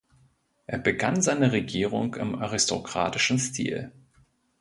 Er begann seine Regierung im aristokratischen Stil.